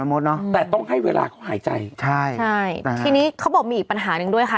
มดเนอะแต่ต้องให้เวลาเขาหายใจใช่ใช่แต่ทีนี้เขาบอกมีอีกปัญหาหนึ่งด้วยค่ะ